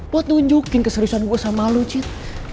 buat nunjukin keseriusan gue sama lo cit